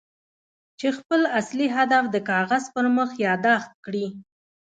چې خپل اصلي هدف د کاغذ پر مخ ياداښت کړئ.